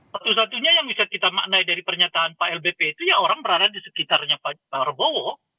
satu satunya yang bisa kita maknai dari pernyataan pak lbp itu ya orang berada di sekitarnya pak prabowo